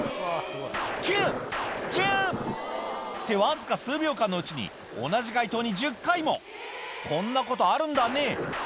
９・１０！ってわずか数秒間のうちに同じ街灯に１０回もこんなことあるんだね